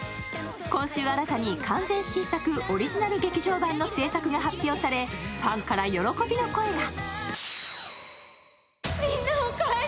今週、新たに完全新作オリジナル劇場版の制作が発表されファンから喜びの声が。